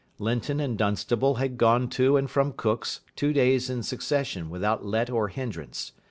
Linton and Dunstable had gone to and from Cook's two days in succession without let or hindrance.